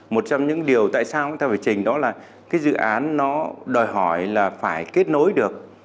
một trong những điều tại sao chúng ta phải trình đó là cái dự án nó đòi hỏi là phải kết nối được